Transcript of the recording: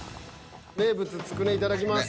名物つくねいただきます。